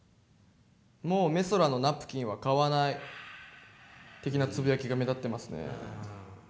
「もうＭＥＳＯＲＡのナプキンは買わない」的なつぶやきが目立ってますね。